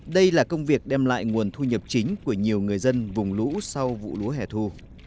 đây là công việc đem lại nguồn thu nhập chính của nhiều người dân vùng lũ sau vụ lúa hẻ thu